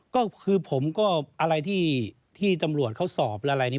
ก็คือผมก็อะไรที่ตำรวจเขาสอบอะไรนี้